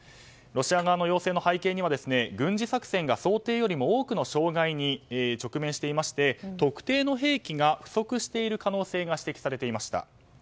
ロシア側の要請の背景には軍事作戦が想定よりも多くの障害に直面していまして特定の兵器が不足している可能性が指摘されていました。